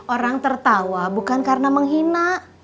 orang tertawa bukan karena menghina